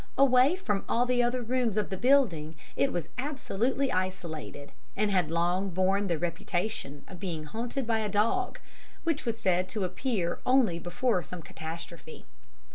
Away from all the other rooms of the building, it was absolutely isolated; and had long borne the reputation of being haunted by a dog, which was said to appear only before some catastrophe.